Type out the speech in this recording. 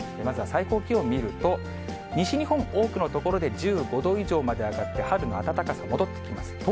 まずは最高気温を見ると、西日本、多くの所で１５度以上まで上がって、春の暖かさ、戻ってきます。